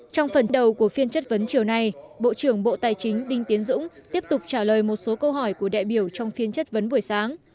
trong phần đầu của phiên chất vấn chiều nay bộ trưởng bộ tài chính đinh tiến dũng tiếp tục trả lời một số câu hỏi của đại biểu trong phiên chất vấn buổi sáng